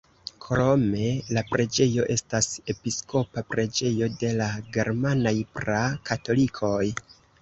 Krome la preĝejo estas episkopa preĝejo de la germanaj pra-katolikoj.